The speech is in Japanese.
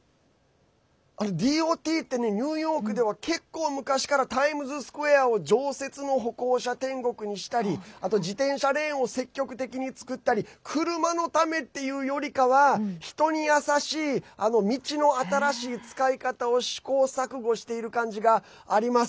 ＤＯＴって、ニューヨークでは結構昔からタイムズスクエアを常設の歩行者天国にしたり自転車レーンを積極的に作ったり車のためというよりかは人に優しい、道の新しい作り方を試行錯誤している感じがあります。